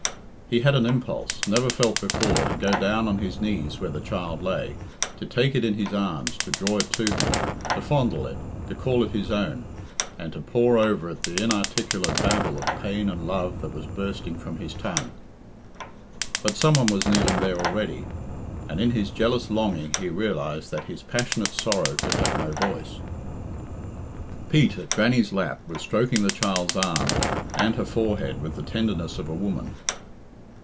He had an impulse, never felt before, to go down on his knees where the child lay, to take it in his arms, to draw it to him, to fondle it, to call it his own, and to pour over it the inarticulate babble of pain and love that was bursting from his tongue. But some one was kneeling there already, and in his jealous longing he realised that his passionate sorrow could have no voice. Pete, at Grannie's lap, was stroking the child's arm and her forehead with the tenderness of a woman.